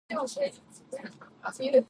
未来有望提升患者抢救成功率